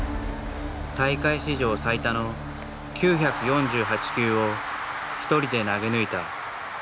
大会史上最多の９４８球を一人で投げ抜いた。